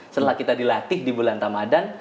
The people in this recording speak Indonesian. setelah kita dilatih di bulan ramadan